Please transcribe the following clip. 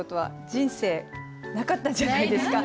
人生なかったんじゃないですか？